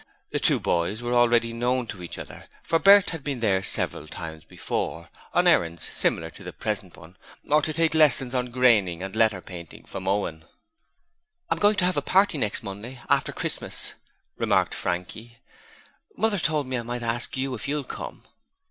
The two boys were already known to each other, for Bert had been there several times before on errands similar to the present one, or to take lessons on graining and letter painting from Owen. 'I'm going to have a party next Monday after Christmas,' remarked Frankie. 'Mother told me I might ask you if you'll come?'